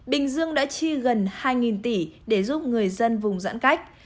bình dương đã chi gần hai tỷ để giúp người dân vùng giãn cách